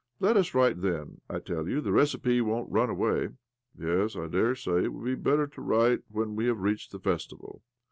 Let us write then. I tell you, the recipe won't run away." " iies, 1 daresay it would be better to write when we have reachled the festival."